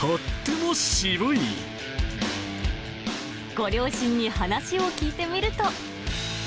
ご両親に話を聞いてみると。